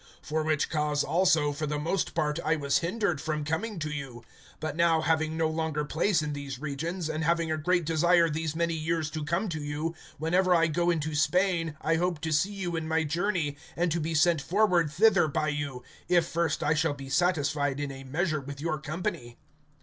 (22)For which cause also, for the most part, I was hindered from coming to you. (23)But now having no longer place in these regions, and having a great desire these many years to come to you, (24)whenever I go into Spain, I hope to see you in my journey, and to be sent forward thither by you, if first I shall be satisfied in a measure with your company.